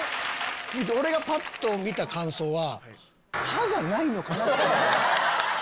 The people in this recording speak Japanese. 俺がぱっと見た感想は。